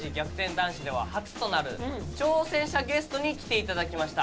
男子では初となる挑戦者ゲストに来て頂きました。